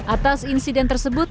atas insiden tersebut